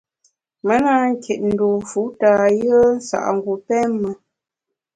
Me na nkit dû fu tâ yùe nsa’ngu pém me.